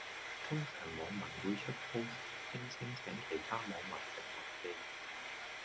通常網民會出 Post 聲稱請其他網民食麥記